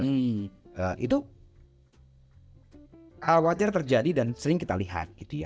nah itu wajar terjadi dan sering kita lihat gitu ya